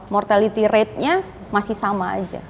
mortality ratenya masih sama aja